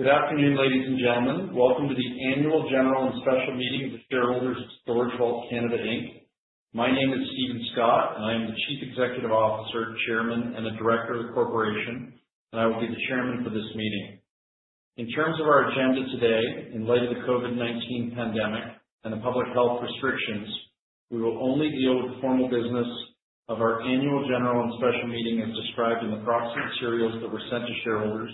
Good afternoon, ladies and gentlemen. Welcome to the Annual General and Special Meeting of the shareholders of StorageVault Canada Inc. My name is Steven Scott, and I am the Chief Executive Officer, Chairman, and a Director of the corporation, and I will be the chairman for this meeting. In terms of our agenda today, in light of the COVID-19 pandemic and the public health restrictions, we will only deal with the formal business of our annual general and special meeting as described in the proxy materials that were sent to shareholders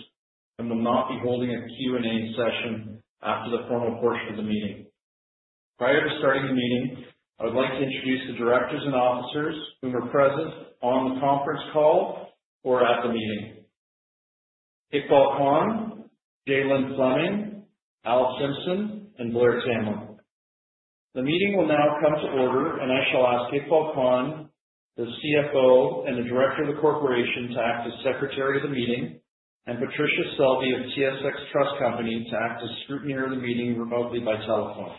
and will not be holding a Q&A session after the formal portion of the meeting. Prior to starting the meeting, I would like to introduce the directors and officers who are present on the conference call or at the meeting. Iqbal Khan, Jay Lynne Fleming, Alan Simpson, and Blair Tamblyn. The meeting will now come to order. I shall ask Iqbal Khan, the CFO and Director of the corporation, to act as Secretary of the meeting, and Patricia Selby of TSX Trust Company to act as scrutineer of the meeting remotely by telephone.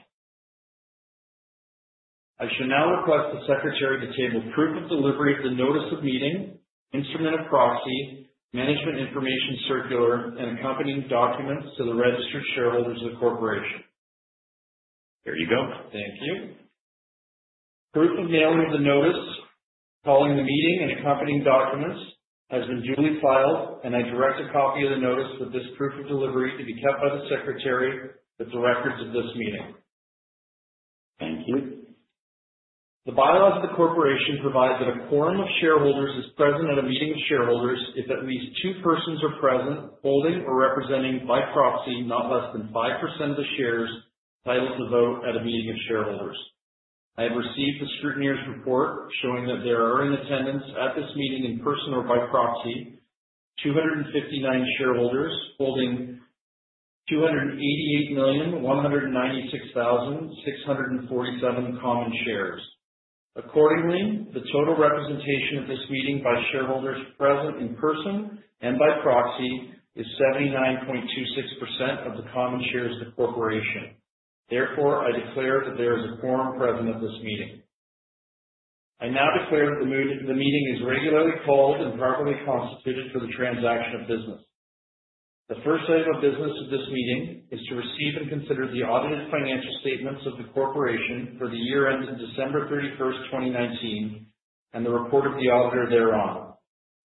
I shall now request the Secretary to table proof of delivery of the notice of meeting, instrument of proxy, management information circular, and accompanying documents to the registered shareholders of the corporation. There you go. Thank you. Proof of mailing of the notice, calling the meeting and accompanying documents has been duly filed, and I direct a copy of the notice with this proof of delivery to be kept by the Secretary with the records of this meeting. Thank you. The bylaws of the corporation provides that a quorum of shareholders is present at a meeting of shareholders if at least two persons are present, holding or representing by proxy, not less than 5% of the shares entitled to vote at a meeting of shareholders. I have received the scrutineer's report showing that there are in attendance at this meeting in person or by proxy, 259 shareholders holding 288,196,647 common shares. Accordingly, the total representation of this meeting by shareholders present in person and by proxy is 79.26% of the common shares of the corporation. Therefore, I declare that there is a quorum present at this meeting. I now declare the meeting is regularly called and properly constituted for the transaction of business. The first item of business of this meeting is to receive and consider the audited financial statements of the corporation for the year ending December 31st, 2019, and the report of the auditor thereon.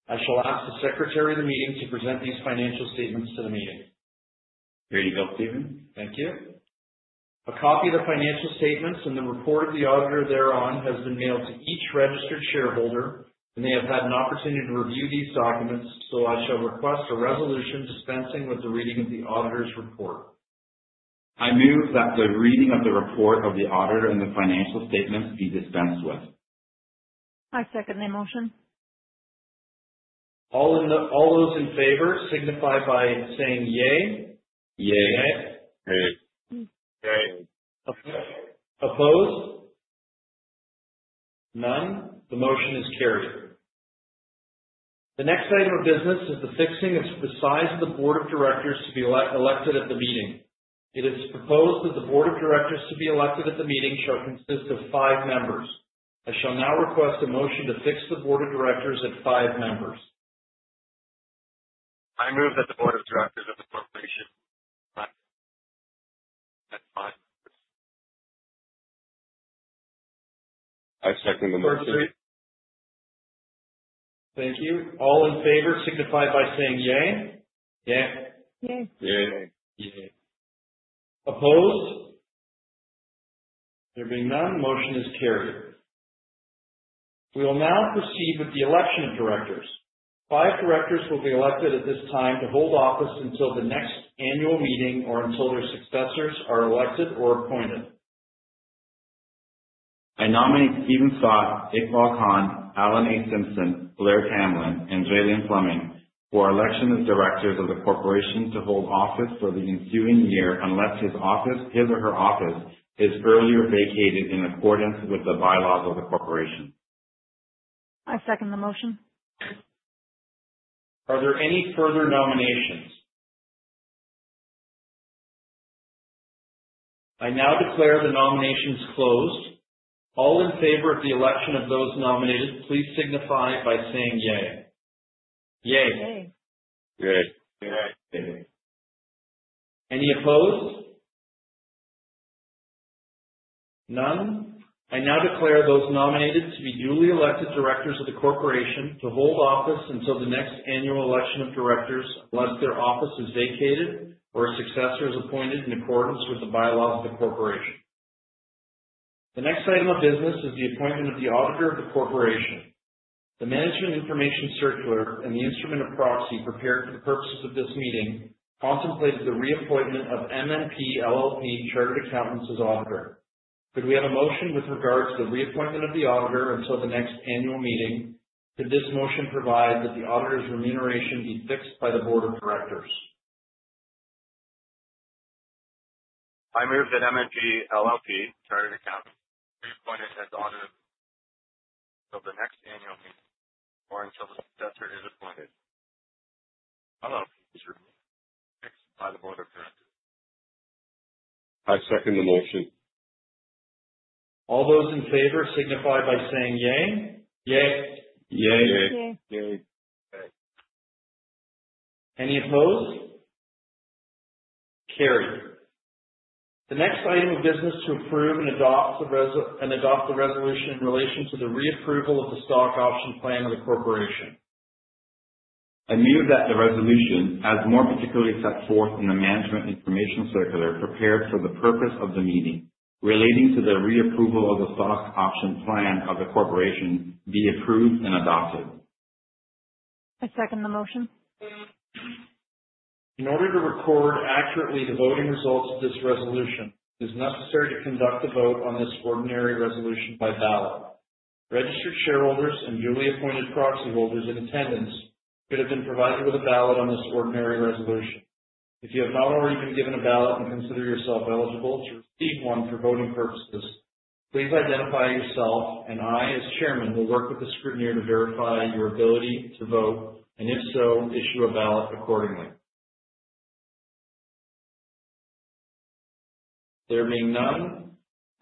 I shall ask the Secretary of the meeting to present these financial statements to the meeting. Here you go, Steven. Thank you. A copy of the financial statements and the report of the auditor thereon has been mailed to each registered shareholder, and they have had an opportunity to review these documents. I shall request a resolution dispensing with the reading of the auditor's report. I move that the reading of the report of the auditor and the financial statements be dispensed with. I second the motion. All those in favor signify by saying, yay. Yay. Yay. Opposed? None. The motion is carried. The next item of business is the fixing of the size of the board of directors to be elected at the meeting. It is proposed that the board of directors to be elected at the meeting shall consist of five members. I shall now request a motion to fix the board of directors at five members. I move that the Board of Directors of the Corporation at five members. I second the motion. Thank you. All in favor signified by saying, yay. Yay. Yay. Opposed? There being none, the motion is carried. We will now proceed with the election of directors. Five directors will be elected at this time to hold office until the next annual meeting or until their successors are elected or appointed. I nominate Steven Scott, Iqbal Khan, Alan A. Simpson, Blair Tamblyn, and Jay Lynne Fleming for election as directors of the corporation to hold office for the ensuing year unless his or her office is earlier vacated in accordance with the bylaws of the corporation. I second the motion. Are there any further nominations? I now declare the nominations closed. All in favor of the election of those nominated, please signify by saying, yay. Yay. Yay. Any opposed? None. I now declare those nominated to be duly elected directors of the corporation to hold office until the next annual election of directors, unless their office is vacated or a successor is appointed in accordance with the bylaws of the corporation. The next item of business is the appointment of the auditor of the corporation. The management information circular and the instrument of proxy prepared for the purposes of this meeting contemplated the reappointment of MNP LLP Chartered Accountants as auditor. Could we have a motion with regards to the reappointment of the auditor until the next annual meeting? Could this motion provide that the auditor's remuneration be fixed by the board of directors? I move that MNP LLP Chartered Accountants be appointed as auditor till the next annual meeting or until the successor is appointed. By the Board of Directors. I second the motion. All those in favor signify by saying yay. Yay. Yay. Yay. Yay. Any opposed? Carried. The next item of business to approve and adopt the resolution in relation to the reapproval of the stock option plan of the corporation. I move that the resolution, as more particularly set forth in the management information circular prepared for the purpose of the meeting relating to the reapproval of the stock option plan of the corporation be approved and adopted. I second the motion. In order to record accurately the voting results of this resolution, it is necessary to conduct the vote on this ordinary resolution by ballot. Registered shareholders and duly appointed proxy holders in attendance should have been provided with a ballot on this ordinary resolution. If you have not already been given a ballot and consider yourself eligible to receive one for voting purposes, please identify yourself, and I, as chairman, will work with the scrutineer to verify your ability to vote, and if so, issue a ballot accordingly. There being none,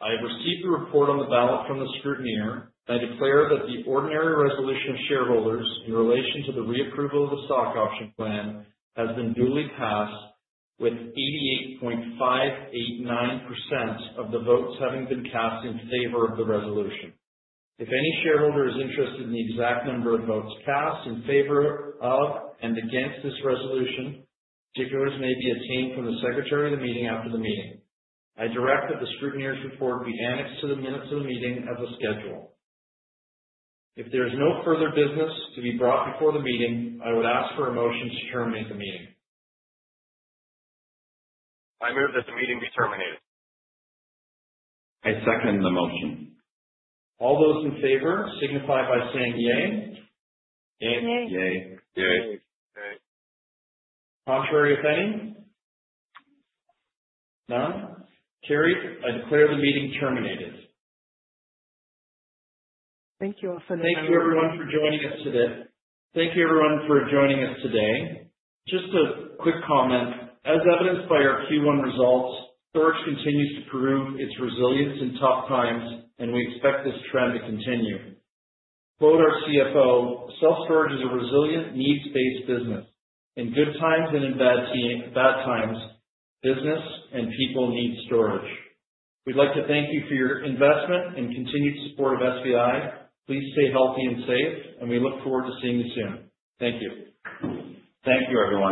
I have received the report on the ballot from the scrutineer, and I declare that the ordinary resolution of shareholders in relation to the reapproval of the stock option plan has been duly passed with 88.589% of the votes having been cast in favor of the resolution. If any shareholder is interested in the exact number of votes cast in favor of and against this resolution, particulars may be obtained from the secretary of the meeting after the meeting. I direct that the scrutineer's report be annexed to the minutes of the meeting as a schedule. If there's no further business to be brought before the meeting, I would ask for a motion to terminate the meeting. I move that the meeting be terminated. I second the motion. All those in favor, signify by saying yay. Yay. Yay. Yay. Yay. Contrary of nay. None. Carried. I declare the meeting terminated. Thank you all for. Thank you everyone for joining us today. Just a quick comment. As evidenced by our Q1 results, storage continues to prove its resilience in tough times, and we expect this trend to continue. To quote our CFO, Self-storage is a resilient needs-based business. In good times and in bad times, business and people need storage. We'd like to thank you for your investment and continued support of SVI. Please stay healthy and safe, and we look forward to seeing you soon. Thank you. Thank you, everyone.